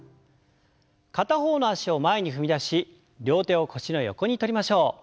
片方の脚を前に踏み出し両手を腰の横にとりましょう。